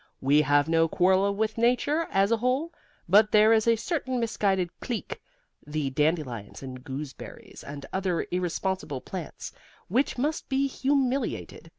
We have no quarrel with Nature as a whole. But there is a certain misguided clique, the dandelions and gooseberries and other irresponsible plants, which must be humiliated.